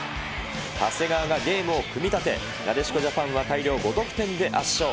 長谷川がゲームを組み立て、なでしこジャパンは大量５得点で圧勝。